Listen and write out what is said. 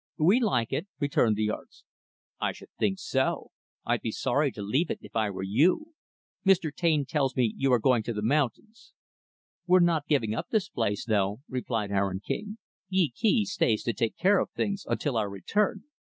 "We like it," returned the artist. "I should think so I'd be sorry to leave it if I were you. Mr. Taine tells me you are going to the mountains." "We're not giving up this place, though," replied Aaron King. "Yee Kee stays to take care of things until our return."